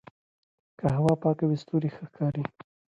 که هوا پاکه وي ستوري ښه ښکاري.